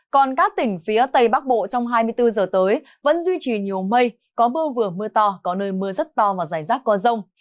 còn các tỉnh phía tây bắc bộ trong hai mươi bốn giờ tới vẫn duy trì nhiều mây có mưa vừa mưa to có nơi mưa rất to và giải rác có rông